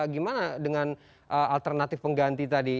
gimana dengan alternatif pengganti tadi